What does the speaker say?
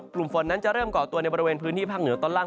กลุ่มฝนนั้นจะเริ่มก่อตัวในบริเวณพื้นที่ภาคเหนือตอนล่าง